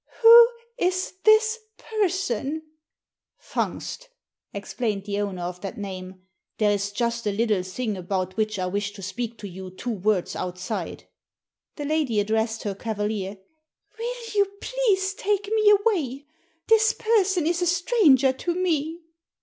" Who is this person ?" "Fungst," explained the owner of that name. "There is just a little thing about which I wish to speak to you two words outside." Digitized by VjOOQIC THE DIAMONDS 2it The lady addressed her cavalier, " Will you please take me away ? This person is a stranger to me."